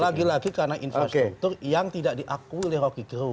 lagi lagi karena infrastruktur yang tidak diakui oleh rocky gerung